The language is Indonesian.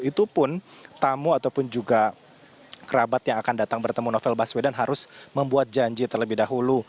itu pun tamu ataupun juga kerabat yang akan datang bertemu novel baswedan harus membuat janji terlebih dahulu